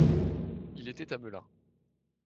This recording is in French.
Il était à Melun.